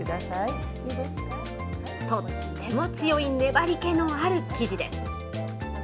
とっても強い粘り気のある生地です。